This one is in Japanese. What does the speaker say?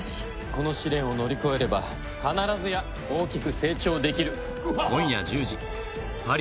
この試練を乗り越えれば必ずや大きく成長できる。